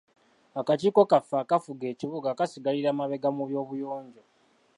Akakiiko kaffe akafuga ekibuga kasigalira mabega mu by'obuyonjo.